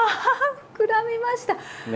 膨らみました！ね？